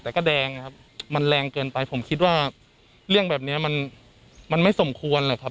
แต่ก็แดงนะครับมันแรงเกินไปผมคิดว่าเรื่องแบบนี้มันไม่สมควรหรอกครับ